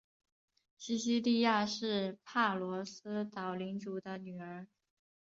西西莉亚是帕罗斯岛领主的女儿。